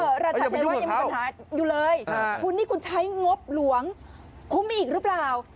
เออราชาธิวะยังมีปัญหาอยู่เลยคุณนี่คุณใช้งบหลวงคุ้มมีอีกหรือเปล่า